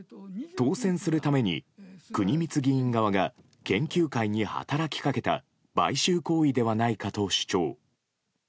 当選するために国光議員側が研究会に働きかけた買収行為ではないかと主張。